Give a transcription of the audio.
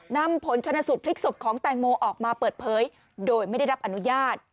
นำผลชนสุดพลิกสุดของแตงโมออกมาเปิดเผย